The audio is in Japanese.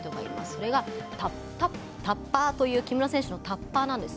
それがタッパーという木村選手のタッパーなんです。